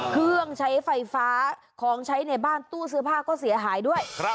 เครื่องใช้ไฟฟ้าของใช้ในบ้านตู้เสื้อผ้าก็เสียหายด้วย